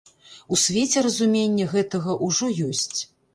У свеце разуменне гэтага ўжо ёсць.